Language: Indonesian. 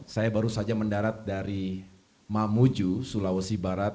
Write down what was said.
saya baru saja mendarat dari mamuju sulawesi barat